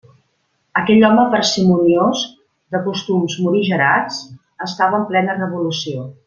Aquell home parsimoniós, de costums morigerats, estava en plena revolució.